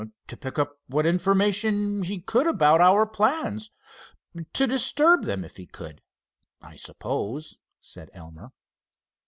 "To pick up what information he could about our plans, to disturb them if he could, I suppose," said Elmer.